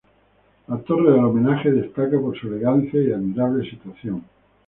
La torre del homenaje destaca por su elegancia y admirable situación.